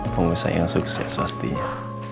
pengusaha yang sukses pastinya